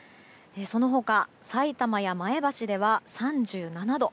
その他さいたまや前橋では３７度。